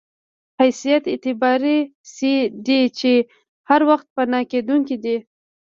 حیثیت اعتباري شی دی چې هر وخت پناه کېدونکی دی.